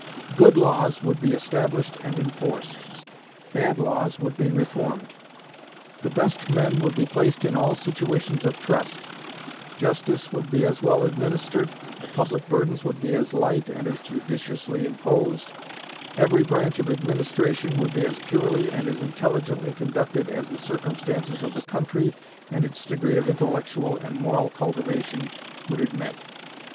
Good laws would be established and enforced, bad laws would be reformed; the best men would be placed in all situations of trust; justice would be as well administered, the public burdens would be as light and as judiciously imposed, every branch of administration would be as purely and as intelligently conducted as the circumstances of the country and its degree of intellectual and moral cultivation would admit.